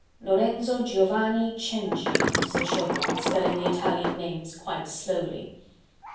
"Lorenzo Giovanni Cenci," said Chauvelin, spelling the Italian names quite slowly.